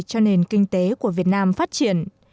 cho nền kinh tế của việt nam phát triển